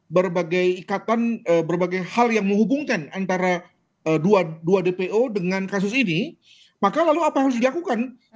berbagai ikatan berbagai hal yang menghubungkan antara dua dpo dengan kasus ini maka lalu apa yang harus dilakukan